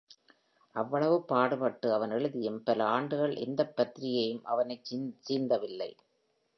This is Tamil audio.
அவ்வளவு பாடுபட்டு அவன் எழுதியும் பல ஆண்டுகள் எந்தப் பத்திரிகையும் அவனைச் சீந்தவில்லை.